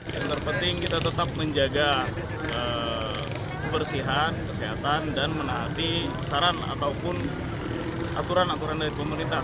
yang terpenting kita tetap menjaga kebersihan kesehatan dan menaati saran ataupun aturan aturan dari pemerintah